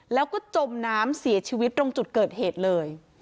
แล้วก็จมน้ำเสียชีวิตตรงจุดเกิดเหตุเลย